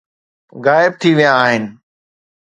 غائب ٿي ويا آهن